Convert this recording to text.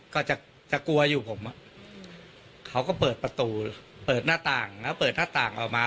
ก็จะจะกลัวอยู่ผมเขาก็เปิดประตูเปิดหน้าต่างแล้วเปิดหน้าต่างออกมา